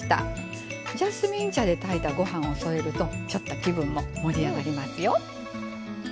ジャスミン茶で炊いたご飯を添えるとちょっと気分も盛り上がりますよ。